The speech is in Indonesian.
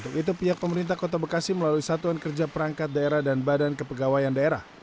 untuk itu pihak pemerintah kota bekasi melalui satuan kerja perangkat daerah dan badan kepegawaian daerah